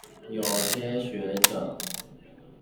有些學者